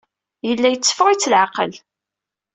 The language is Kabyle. Yella yetteffeɣ-itt leɛqel.